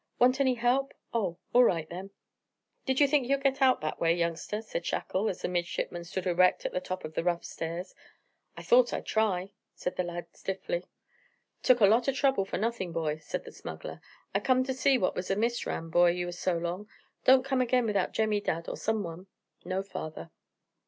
"Want any help? Oh, all right then!" "Did you think you'd get out that way, youngster?" said Shackle, as the midshipman stood erect at the top of the rough stairs. "I thought I'd try," said the lad stiffly. "Took a lot o' trouble for nothing, boy," said the smuggler. "I come to see what was amiss, Ram, boy, you was so long. Don't come again without Jemmy Dadd or some one." "No, father."